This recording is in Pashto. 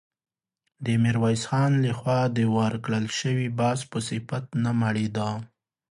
د ميرويس خان له خوا د ورکړل شوي باز په صفت نه مړېده.